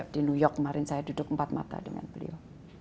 di new york kemarin saya duduk empat mata dengan beliau